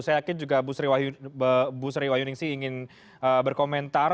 saya yakin juga bu sri wahyuning sih ingin berkomentar